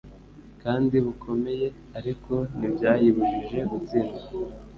kandi bukomeye, ariko ntibyayibujije gutsindwa.